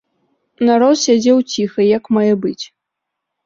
Народ сядзеў ціха, як мае быць.